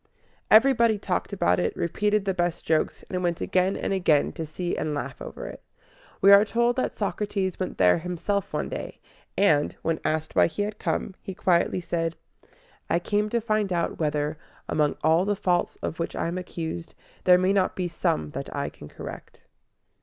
Everybody talked about it, repeated the best jokes, and went again and again to see and laugh over it. We are told that Socrates went there himself one day; and, when asked why he had come, he quietly said, "I came to find out whether, among all the faults of which I am accused, there may not be some that I can correct."